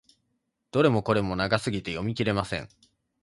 どれもこれも長すぎて読み切れません。